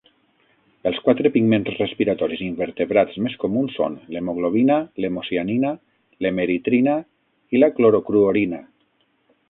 Els quatre pigments respiratoris invertebrats més comuns són l'hemoglobina, l'hemocianina, l'hemeritrina i la clorocruorina.